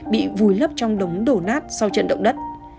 bị vùi lấp trong đống đổ nát sau trận động đất